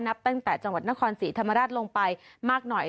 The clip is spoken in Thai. นับตั้งแต่จังหวัดนครศรีธรรมราชลงไปมากหน่อย